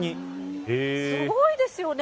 すごいですよね。